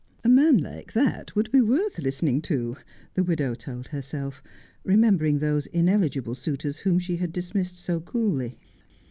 ' A man like that would be worth listening to,' the widow told herself, remembering those ineligible suitors whom she had dis missed so coolly.